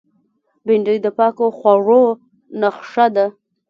بېنډۍ د پاکو خوړو نخښه ده